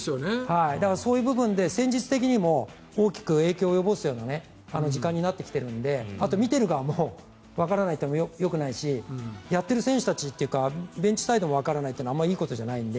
そういう部分で戦術的にも大きく影響を及ぼすような時間になってきているので見ている側もわからないとよくないしやっている選手たちというかベンチサイドもわからないのはあまりいいことじゃないので。